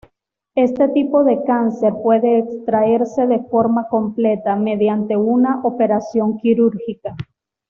Este tipo de cáncer puede extraerse de forma completa mediante una operación quirúrgica.